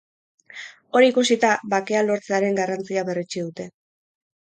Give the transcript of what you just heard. Hori ikusita, bakea lortzearen garrantzia berretsi dute.